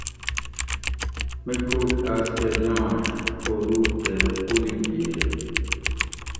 میڄوگ اس کہ دیانش قودو تے قلی گھئیگ